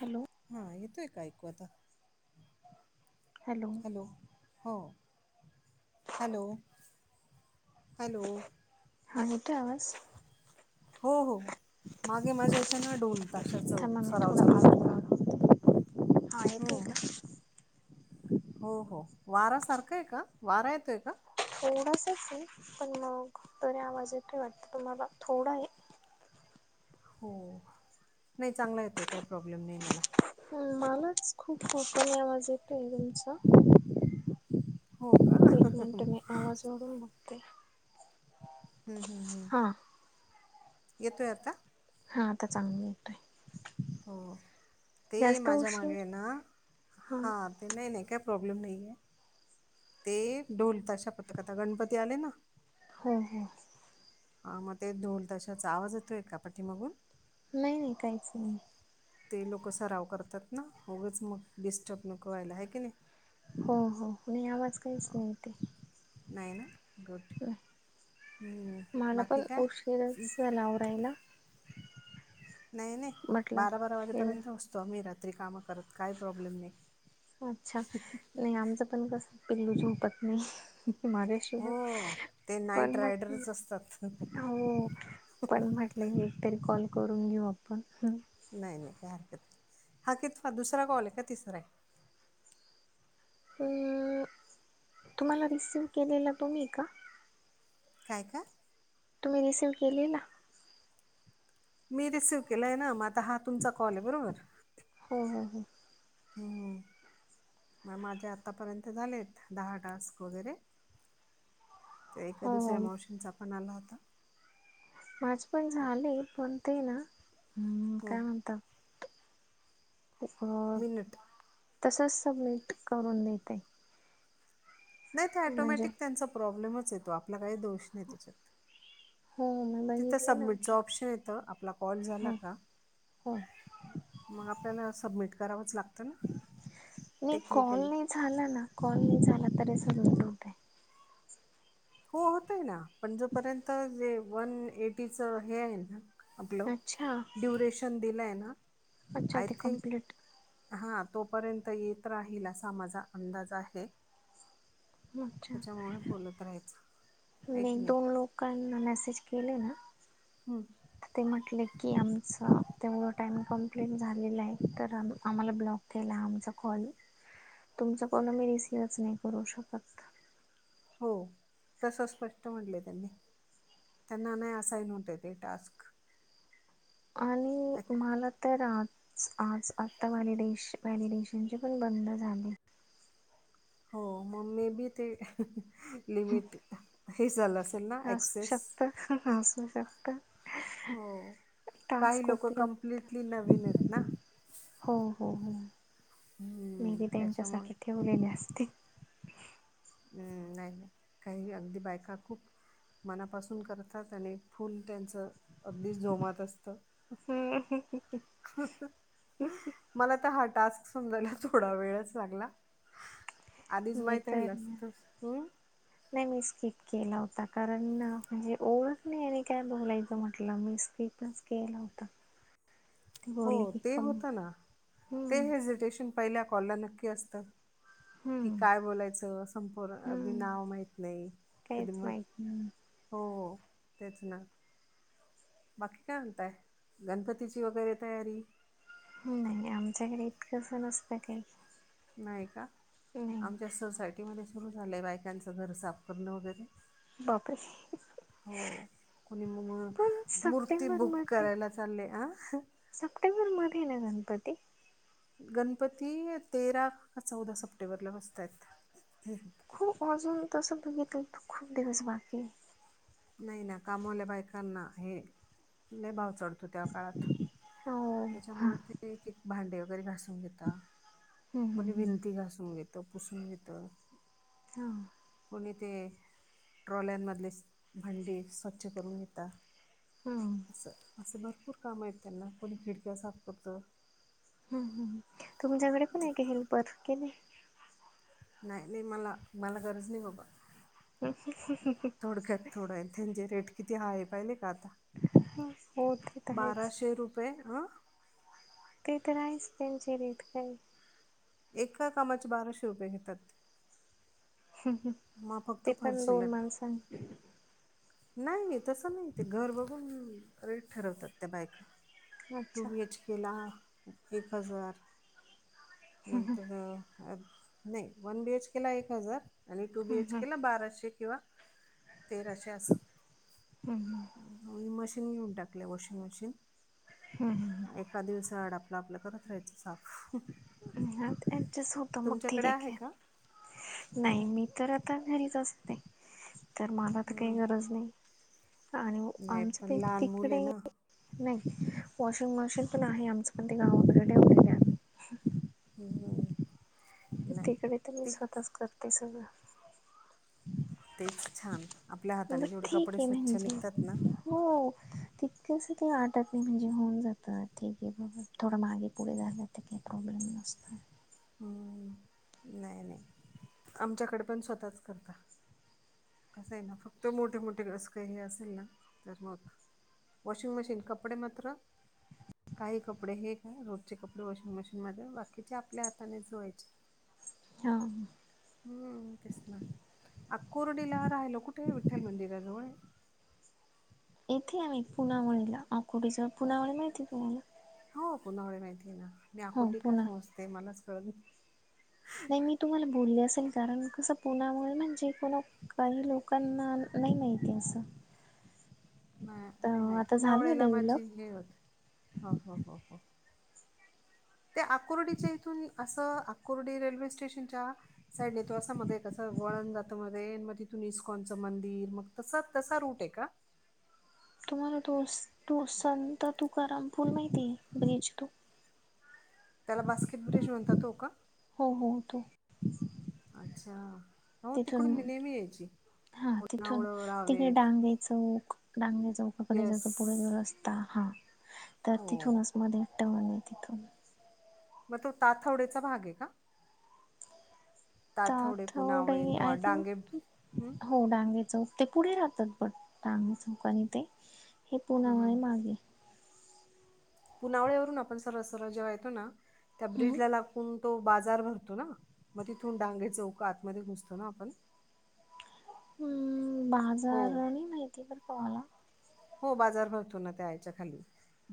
Hello. हां येतेय का ऐकू आता? हॅलो. हॅलो, हो. हॅलो? हॅलो, हा येतोय आवाज हो हो. मागे माझ्या इथं ना ढोलताशाचं, थांबा मी सराव थोडा चालू आहे आवाज बर का. [inaudible] हा येतोय हं. का? हो हो. वारा सारखा आहे का वारा येतोय का? थोडासाच आहे. पण मग, तरी आवाज येतोय वाटतं तुम्हाला थोडाय. हो नाही चांगला येतोय काही प्रॉब्लेम नाही मला. हम्म मलाच खूप खूप कमी आवाज येतोय तुमचा. [inaudible] हो का? एक मिनिट मी आवाज वाढवून बघते. हम्म हम्म हम्म. हां येतोय आता? हां आता चांगले आहे. हो ते जास्त माझ्या मागे उशीर आहे ना, हां ते नाही नाही काय प्रॉब्लेम नाहीे आहे. ते ढोलतताशा पथक आता गणपती आलेय ना. हो हो. हां मग ते ढोलताशाचा आवाज येतोय का पाठीमागून? नाही नाही काहीच नाही. ते लोकं सराव करतात ना, उगच मग डिस्टर्ब नको व्हायला हाय की नाही? हो हो नाही आवाज काहीच अ, नाही ते. नाही ना, गुड. हम्म, बाकी काय? चला आवरायला. नाही नाही म्हटलं बारा बारा एवढं वाजेपर्यंत बसतो आम्ही रात्री कामं करत, काही प्रॉब्लेम नाही. अच्छा नाही आमचं पण कसं पिल्लू झोपत नाही हो [unintelligible] ते [unintelligible] पण नाईट म्हटलं रायडरच असतात. हो पण म्हट ल एकतरी कॉल करून घेऊ आपण. नाही नाही काय हरकत नाही हा कितवा दुसरा कॉल आहे की तिसरा आहे? तुम्हाला रिसीव केलेलं [unintelligible] का काय काय तुम्ही रिसीव्ह केलेला मी रिसीव्ह केलाय ना मग आता हा तुमचा कॉल आहे बरोबर हो हो हो. हम्म. मग माझे आतापर्यंत झालेत दहा टास्क वगैरे. तर एका हो हो दुसऱ्या मावशींचा पण आला होता. माझे पण झाले पण ते ना हम्म काय म्हणतात? मिनिट [unintelligible] तसंच सबमिट करून देते. नाही ते म्हणजे ऑटोमॅटिक त्यांचा प्रॉब्लेमच येतो आपला काही दोष नाही त्याच्यात हो मी तिथं बघितले सबमिटचं नंतर ऑप्शन येतं आपला कॉल झाला हो का हो मग आपल्याला सबमिट करावंच लागतं ना नाही कॉल टेक्निकली नाही झाला ना कॉल नाही झाला तरी सबमिट होतोय हो होत आहे ना पण जोपर्यंत जे वन एटीच हे आहे ना आपलं अच्छा ड्युरेशन दिलंय ना अच्छा आय ते थिंक कंप्लीट हा तोपर्यंत येत राहील असा माझा अंदाज आहे अच्छा त्याच्यामुळे बोलत राहायचं आहे मी की नाही दोन लोकांना मेसेज केले ना हम्म ते म्हटले की आमचां तेवढं टाईम कं्प्लीट झालेला आहे तर आम आम्हाला ब्लॉक त्याला आमचा कॉल तुमचं कॉल आमी रिसीव्हच नाही करू शकत हो तस स्पष्ट म्हटले त्यांनी त्यांना नाही असाईन होत येत टास्क ऍक- आणि मला तर आज आज आत्ता व्हॅलिडेश व्हॅलिडेशनचे पण बंद झाले हो मग मे बी ते लिमिट हे झालं असेल ना असू एक्सेस शकत असू शकत हो काही टास्क लोक उपलब्ध कम्प्लिटली नवीन आहेत ना हो हो हो म हम्म, ती त्याच्यामुळे त्यांच्यासाठी ठेवलेली असते हम्म नाही नाही काही अगदी बायका खूप मनापासून करतात आणि फुल त्यांचं अगदीच जोमात असतं हम् मला तर हा टास्क समजायला थोडा वेळच लागला आधीच मी माहीत तर राहिल असत त ह् नाही मी स्किप केला होता कारण ना म्हणजे ओळख नाहीने काय बोलायचं म्हटलं मी स्किप च गेला होता ते हो बोलले की ते कम होत ना ते हम्म हेजिटेशन पहिल्या कॉलला नक्की असतं कि हम्म काय बोलायचं संपूर अगदी हम्म नाव माहीत नाही कधी काहीच माहीत माहित नाही हो हो तेच ना बाकी काय म्हणताय गणपतीची वगैरे तयारी नाही नाही आमच्या कडे इतकंसं नसतं काही नाही का आमच्या नाही सोसायटी म सुरु झालंय बायकांचं घर साफ करणं वगैरे बाप रे हो कणी म पण मूर्ती बुक सप्टेंबरमध्ये करायला चालली ह. सप्टेंबरमध्ये ना गणपती. गणपती तेरा का चौदा सप्टेंबरला बसतायेत. खूप अजून तसं बघितलं तू खूप दिवस बाकीे. नाही ना कामावल्या बायकांना हे लय भाव चढत. त्या काळात हो हां त्याच्यामुळे, ते भांडे वगैरे घासून घेत. हम्म हम्म कोणी हम्म भिंती घासून घेत पुसून घेतो. हां. कोणी ते ट्रॉल्यामधले भांडी स्वच्छ करून घेतात. हम. असं असं भरपूर काम आहेत त्यांना कोणी खिडक्या साफ करतं. ह हम तुमच्याकडे पण आहे, का हेल्पर की नाही. नाही नाही मला मला गरज नाही बाबा. ह. थोडक्यात थोडं आहे त्यांचे रेट किती हाय पाहिले का आता. हो ते तर आहेच बाराशे रुपये हं. ते तर आहेच त्यांचे रेट काही एका कामाचे बाराशे रुपये घेतात. मग फक्त ते पण दोन फरशीला माणसां. नाही तसं नाही ते घर बघून रेट ठरवतात त्या बायका टू अच्छा बीएच के ला एक हजार. नंतर नाही वन बीएच केला एक हजार. आणि टू बी एच हम्म केला बाराशे किंवा तेराशे असं. हम् आणि मशीन घेऊन टाकले वॉशिंग मशीन. हम् हम ह एका दिवसा आड आपलं आपलं करत राहायचं साफ. ऍडजस्ट होत मग ठीक तुमच्याकडे आहे की का नाही मी तर आता घरीच असते, तर मला तर काही हम्म. गरज नाही. आणि नाही आमचं पण ते लहान मुल आहे तिकडे. ना नाही वॉशिंग मशीन पण आहे, आमचं पण ते गावाकड ठेवलं आहे. हम् इकडे तर मी स्वतःच करते सगळं. तेच छान आपल्या हाताने बट जेवढे ठीक कपडे आहे स्वच्छ म्हणजे निघतात ना. हो. तितकस का वाटत नाही म्हणजे होऊन जातं ठीक आहे ब थोडं मागे पुढे झालं ते काही प्रॉब्लेम नसत नाही नाही आमच्याकडे पण स्वतःच करता. कसं आहे ना फक्त मोठे मोठे कस का हे असेल ना तर मग. वाॉशिंग मशीिन कपडे मात्र काही कपडे हे का रोजचे कपडे वॉशिंग मशीनमध्ये बाकीचे आपल्या ह. हातानेच धुवायचे. हा. हम्म तेच ना आकोर्डीला राहिल कुठे विठ्ठल मंदिराजवळ. येथे आम्ही पुनावळीला आकुर्डी जवळ पुनावळी माहितेय का तुम्हाला. हो पुनावली माहिती आहे ना मी हो अकुर्डी का पुना समजते मलाच कळत. नाही मी तुम्हाला बोलले असेल कारण. असं पुनावली म्हनजे कोणा काही लोकांना नाही माहिती असं. नाही तर नाही आता झालं पुनवालीला माझी डेव्हलप हे होत हो हो हो हो. त्या आकोर्डीच्या इथून असं आकोर्डी रेल्वे स्टेशनच्या. साईडने तो असा मध्ये कसं वळण जात मध्ये, मग तिथून इस्कॉनचं मंदिर, मग तसा-तसा रूट आहे का? तुम्हाला तो तू तुकारमपूल माहितीये ब्रीज तो ह [unintelligible] त्याला बास्केट ब्रिज म्हणता, तो का? हो हो तो. अच्छा. हो तिथून, तिकडून मी नेहमी यायची हा तिथून पुनावळं तिकडे रावेत डांगे चौक डांगे चौक का कडे येस जातो पुढे रस्ता, हा तर तिथूनच हो अस मध्ये टर्न ये तिथून. मग तो ताथवडे्याचा भाग ये का? पुनावळे, ताथवडे, तो आय डांगे थिंक हम्म हो डांगे चौक, ते पुढे राहतात बट डांगे चौक आणि ते, हे हम्म पूनावळे हम्म. मागे. पुनावळे वरून आपण सरळ-सरळ जेव्हा येतो ना, त्या हम्म ब्रिज ला गुण, तो बाजार भरतो ना, मग तिथून डांगे चौक आतमध्ये घुसतो ना आपण? ह्म हो बाजार नहीं माहिती बरका माला. हो बाजार भरतो ना, त्या याच्या खाली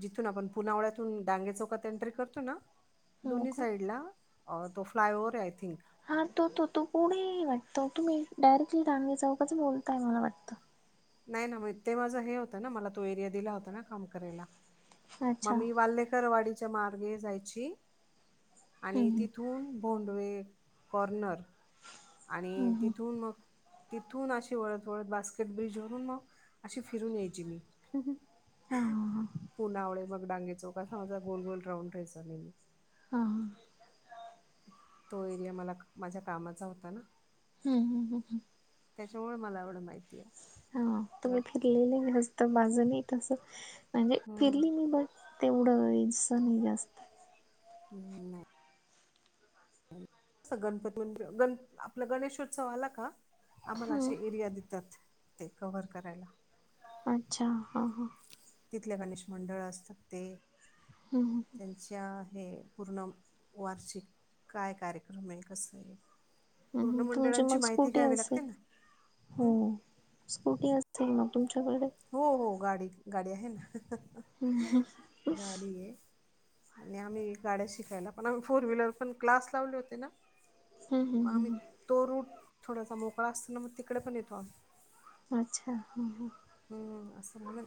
जिथून आपण पुनावळ्यातून डांगे चौकात एंट्री करतो ना हो दोन्ही का साईडला अ तो फ्लाय ओव्हवर आहे, आय थिंक हा तो तो तो पुढे वाटतो, तुम्ही डायरेक्टली डांगे चौक च बोलताय मला वाटतं. नाय ना बाई ते माझं हे होतं ना, मला तो एरिया दिला होता ना काम करायला. मग अच्छा मी वाल्लेकरवाडीच्या मार्गे जायची आणि हम्म तिथ थून भोंडवे कॉर्नर आणि हम्म हम्म तिथून मग तिथून अशी वळत-वळत बास्केट ब्रिज वरून मग अशी फिरून यायची मी. हम हम. हम्म हा हा पुनावळे मग डांगे चौक असा माझा गोल-गोल राऊंड राहिचा नेहमी. अ-हां. तो एरिया मला माझ्या कामाचा होता ना. हम हम हम. त्याच्यामुळ मला एवढं माहिती ये. हा तुम्ही फिरलेले मस्त बाजूनी, मी तस म्हणजे हम्म फिरली मी बट तेवढं इस नय जास्त. हम नाय. तस गणपती मंदिर, गण आपला गणेशोत्सवाला का, आम्हाला ह अशे एरिया देतात ते कवर करायला. अच्छा हा हा. तिथल्या गणेश मंडळ असतात ते. हम हम. हं. त्यांच्या हे पूर्ण वार्षिक, काय कार्यक्रमये कसंय? तुमची मगज स्कूटी लागते असेल? ना हो. हम्म स्कूटी असेल मग तुमच्या कडे? हो हो गाडी-गाडी आहे ना, गाडी ये आणि आम्ही गाड्या शिकायला पण, आम्ही फोर व्हीलर पण क्लास लावले होते ना. हम् म हम् आम्ही ह तो रूट थोडासा मोकळा असतो ना, मग तिकडे पण येतो आम्ही. अच्छा हम-हम. हम्म असं म्हणून,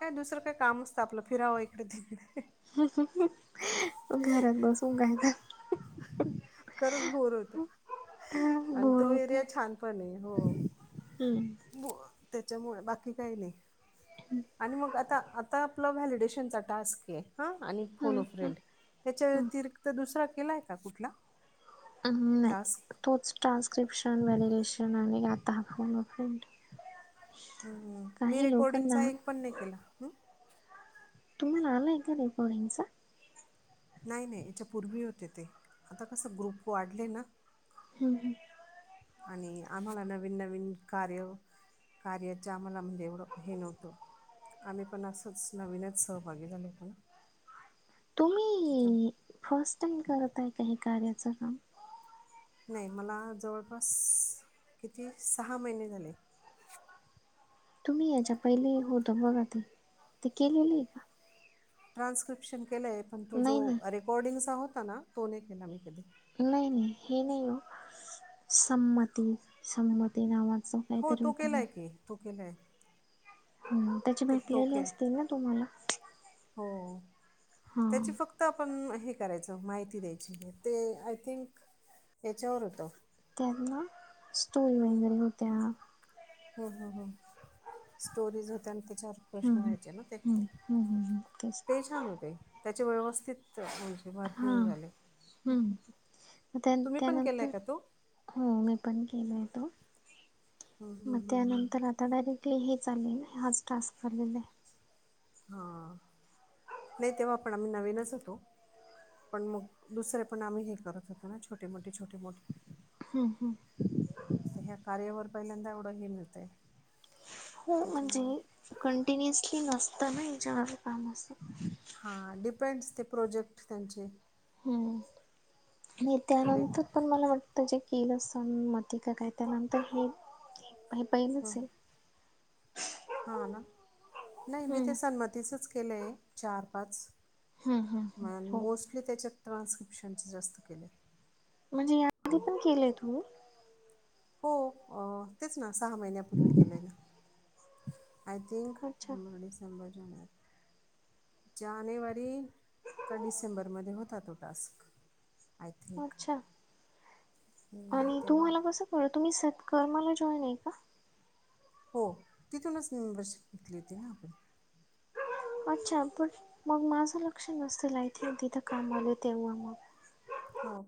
काय दुसरं काय काम नसतं आपलं फिरावं इकडे तिकड. [unintelligible] घरात बसून काय तर खरंच बोर होत तर आणि तो एरिया छान पण ये. हो. हम. बोल त्याच्यामुळ बाकी काय नय आणि मग आता आता. पला व्हॅलिडेशनचा टास्कये हं आणि फोनो फ्रेंड याच्या व्यतिरिक्त दुसरा केलाय का कुठला? अ ह नाय. टास्क तोच ट्रान्स्क्रिप्शन वॉलिडेशन आणि आता हा फोन-अ [inaudible] [unintelligible] मी रेकॉर्डिंगचा एक पण नाय केला. तुम्हाला [unintelligible] नाय नई याच्या पूर्वी होते ते आता कसं ग्रुप वाढले ना. [unintelligible] आणि आम्हाला नवीन नवीन कार्य कार्याच्या आम्हाला म्हणजे एवढं हे नव्हतं. आम्ही पण असंच नवीनच सहभागी झालो [inaudible] ना त्याच्या तुम्ही-ई फर्स्ट टाइम करत हाय का हे कार्याचं काम नाही मला जवळपास किती सहा महिने झाले. तुम्ही याच्या पहिले होत बघा ते ते केलेले आहे का. ट्रान्स्क्रिप्शन केलं आहे पण तो जो नाही नाही रेकॉर्डिंगचा होता ना तो नाही केला मी कधी नाही नाही हे नाही हो संमती संमती नामाचं हो तो केलाय की तू केलाय. ह त्याची ते तो भेटलेले केल असतील ना तुम्हाला हो हां त्याची फक्त आत आपण हे करायचं माहिती द्यायची ते आय थिंक याच्यावर होतो. त्यांना स्टोरी वगैरे होत्या. हो हो हो स्टोरीज होत्या आणि त्याच्यावर प्रश्न हम्म व्हायचे ना ते हम्म हम्म हम्म हम्म तेच. ते छान होते त्याचे व्यवस्थित म्हणजे भरपूर हां झाले हम्म मग त्या तुम्ही पण केलाय त्यानंतर का तो हो मी पण केलो येतो हं, हं, मग हं, हं. त्यानंतर आ आता डायरेक्टली हे चालेल हाच टास्क चालेला आहे. हां ह [unintelligible] नाही तेव्हा आपण आम्ही नवीनच होतो. पण मग दुसरे पण आम्ही हे करत होतो ना छोटे मोठे छोटे मोठे हम् हम्. ह्या कार्यवर पहिल्यांदा एवढं ह मिळतं. हो म्हणजे कंटिन्युअसली नसताना याच्यावर काम असते. हां डिपेंड्स ते प्रोजेक्ट त्यांचे हम्म न तर वेग त्यानंतर पण मला वाटतं जे केलं सण मते का काय त्यालानंतर हे हे पहिलंच आहे. हा ना नाही मी ते हम्म सन्मतीचच केलंय चार पाच हम्म हम्म हम्म म हो मोस्टली त्याच्यात ट्रान्स्क्रिप्शनच जास्त केले. म्हणजे या आधी पण केलेय तू हो तेच ना सहा महिन्यापूर्वी केलंय ना. आय थिंक अच्छा नवंबर डिसेंबर जाुवारी जानेवारी का डिसेंबरमध्ये होता तो टास्क आय थिंक अच्छा आणि तू तेव्हा मला कसं कळ तुम्ही सत्कर्माला जॉईन आहे का. हो तिथूनच मेंबरशिप घेतली होती ना आपण अच्छा पण मग माझं लक्ष नसेल आयथिं तिथं काम आले तेव्हा मग हो का.